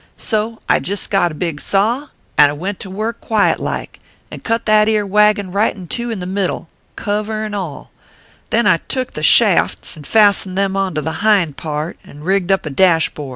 So I jist got a big saw, and went to work quiet like, and cut that ere wagon right in two in the middle cover and all Then I took the shafts and fastened them onto the hind part, and rigged up a dash board.